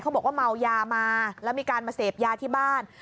บอกว่าเมายามาแล้วมีการมาเสพยาที่บ้าน